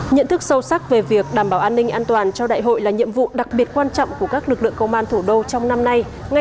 nhận thức sâu sắc về việc đảm bảo an ninh an toàn cho đại hội là nhiệm vụ đặc biệt quan trọng